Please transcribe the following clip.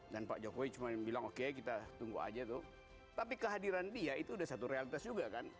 dan pak jokowi cuma bilang oke kita tunggu aja tuh tapi kehadiran dia itu udah satu realitas juga kan